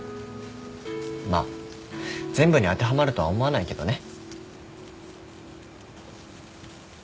まあ全部に当てはまるとは思わないけどね。